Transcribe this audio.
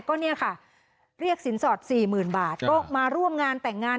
ก็เนี่ยค่ะเรียกสินสอด๔๐๐๐บาทก็มาร่วมงานแต่งงาน